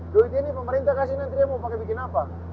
duit ini pemerintah kasih nanti dia mau pakai bikin apa